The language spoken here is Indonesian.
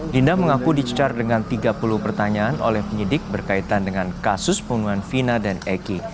dinda mengaku dicecar dengan tiga puluh pertanyaan oleh penyidik berkaitan dengan kasus pembunuhan vina dan eki